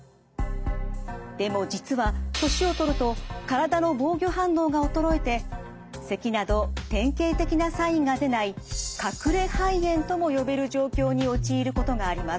でも実は年を取ると体の防御反応が衰えてせきなど典型的なサインが出ない隠れ肺炎とも呼べる状況に陥ることがあります。